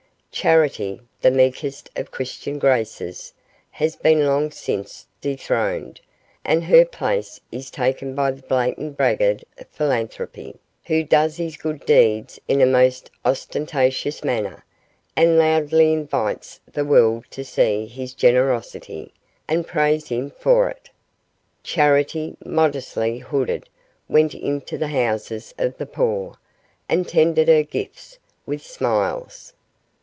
Charity, the meekest of the Christian graces, has been long since dethroned, and her place is taken by the blatant braggard Philanthropy, who does his good deeds in a most ostentatious manner, and loudly invites the world to see his generosity, and praise him for it. Charity, modestly hooded, went into the houses of the poor, and tendered her gifts with smiles.